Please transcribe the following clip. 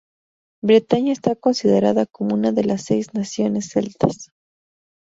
Bretaña está considerada como una de las seis Naciones celtas.